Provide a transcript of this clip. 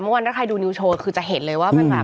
เมื่อวานถ้าใครดูนิวโชว์คือจะเห็นเลยว่า